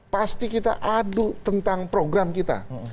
pasti kita adu tentang program kita